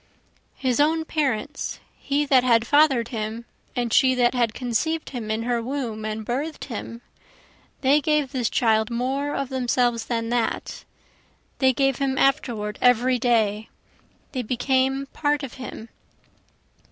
His own parents, he that had father'd him and she that had conceiv'd him in her womb and birth'd him, They gave this child more of themselves than that, They gave him afterward every day, they became part of him.